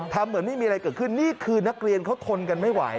เหมือนไม่มีอะไรเกิดขึ้นนี่คือนักเรียนเขาทนกันไม่ไหว